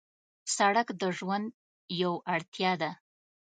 سړک د ژوند یو اړتیا ده.